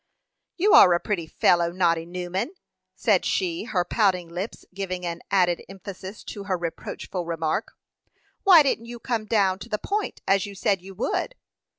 "You are a pretty fellow, Noddy Newman!" said she, her pouting lips giving an added emphasis to her reproachful remark. "Why didn't you come down to the Point, as you said you would?"